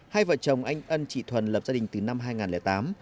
hai vợ chồng anh ân chị thuần lập gia đình từ năm hai nghìn tám